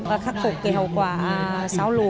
và khắc phục hậu quả sau lũ